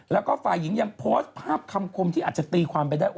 แล้วก็ฝ่ายหญิงยังโพสต์ภาพคำคมที่อาจจะตีความไปได้